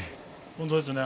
本当ですね。